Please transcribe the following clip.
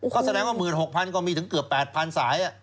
ก็แสดงว่า๑๖๐๐ก็มีถึงเกือบ๘๐๐สาย